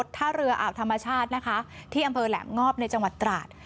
ท่าเรืออ่าวธรรมชาตินะคะที่อำเภอแหลมงอบในจังหวัดตราด